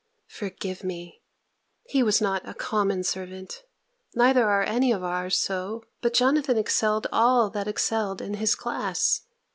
Forgive me, he was not a common servant; neither are any of ours so: but Jonathan excelled all that excelled in his class!